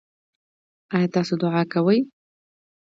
ایا تاسو دعا کوئ؟